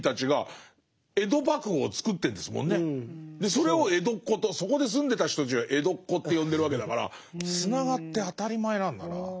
それを江戸っ子とそこで住んでた人たちが江戸っ子って呼んでるわけだからつながって当たり前なんだな。